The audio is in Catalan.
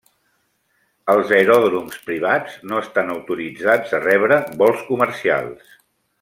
Els aeròdroms privats no estan autoritzats a rebre vols comercials.